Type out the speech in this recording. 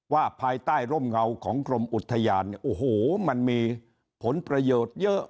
ภายใต้ร่มเงาของกรมอุทยานเนี่ยโอ้โหมันมีผลประโยชน์เยอะ